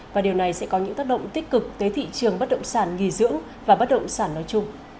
và điều này sẽ có những tác động tích cực tới thị trường bất động sản nghỉ dưỡng và bất động sản nói chung